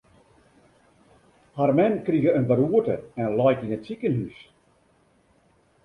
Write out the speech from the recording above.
Har mem krige in beroerte en leit yn it sikehús.